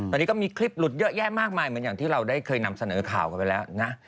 ตอนนี้ก็มีคลิปหลุดเยอะแยะมากมายเหมือนอย่างที่เราได้เคยนำเสนอข่าวกันไปแล้วนะ